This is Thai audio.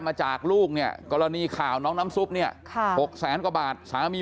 มาจากลูกเนี่ยกรณีข่าวน้องน้ำซุปเนี่ย๖แสนกว่าบาทสามี